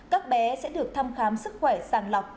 các bé sẽ được thăm khám sức khỏe sàng lọc